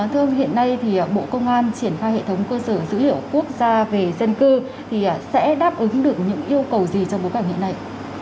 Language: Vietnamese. thưa ông hiện nay thì bộ công an triển khai hệ thống cơ sở dữ liệu quốc gia về dân cư thì sẽ đáp ứng được những yêu cầu gì trong bối cảnh hiện nay